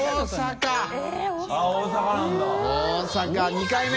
膾２回目？